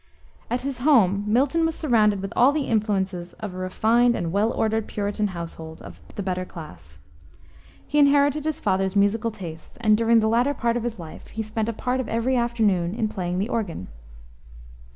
At his home Milton was surrounded with all the influences of a refined and well ordered Puritan household of the better class. He inherited his father's musical tastes, and during the latter part of his life, he spent a part of every afternoon in playing the organ.